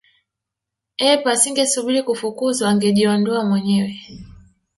ep asingesubiri kufukuzwa angejiondoa mwenyewe